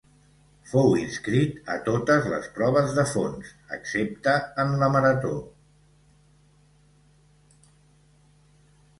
Fou inscrit a totes les proves de fons, excepte en la marató.